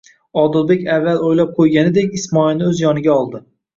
Odilbek avval o'ylab ko'yganidek Ismoilni o'z yoniga oldi.